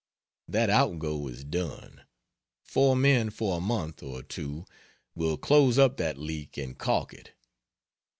That outgo is done; 4 men for a month or two will close up that leak and caulk it.